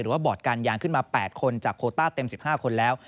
ดูว่าเบาะการยางขึ้นมา๘คนจากโคต้าเต็ม๑๕คนแล้ว